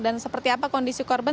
dan seperti apa kondisi korban